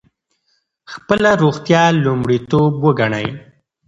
خپله روغتیا لومړیتوب وګڼئ.